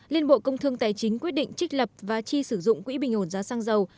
liên bộ công thương tài chính quyết định trích lập và chi sử dụng quỹ bình ổn giá xăng dầu